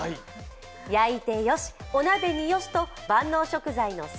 焼いてよし、お鍋にしてよしと万能食材の鮭。